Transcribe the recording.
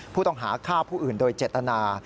ผู้ต้องหาฆ่าผู้อื่นโดยเจตนา